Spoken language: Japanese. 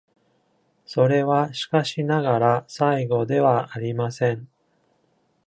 それはしかしながら最後ではありません。